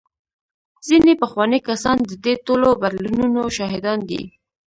ځینې پخواني کسان د دې ټولو بدلونونو شاهدان دي.